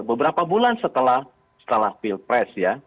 beberapa bulan setelah pilpres ya